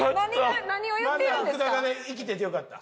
福田が生きててよかった。